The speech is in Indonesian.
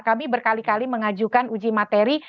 kami berkali kali mengajukan uji materi